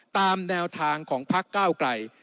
ตามแนวทางของพักเก้าไกล